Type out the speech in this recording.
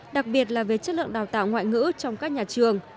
đặc biệt là về chất lượng đào tạo ngoại ngữ trong các nhà trường